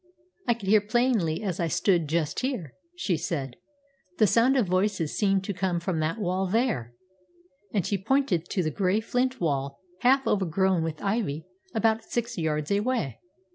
"I could hear plainly as I stood just here," she said. "The sound of voices seemed to come from that wall there"; and she pointed to the gray flint wall, half overgrown with ivy, about six yards away.